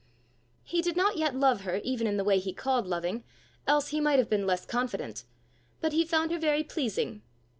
He did not yet love her even in the way he called loving, else he might have been less confident; but he found her very pleasing.